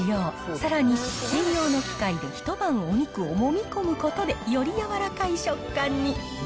さらに、専用の機械で一晩お肉をもみ込むことで、より柔らかい食感に。